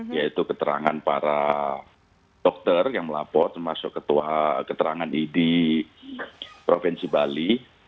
yaitu keterangan para dokter yang melapor termasuk ketua keterangan idi provinsi bali